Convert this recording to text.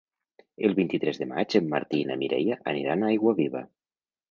El vint-i-tres de maig en Martí i na Mireia aniran a Aiguaviva.